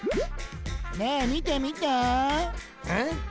ねえみてみてえ？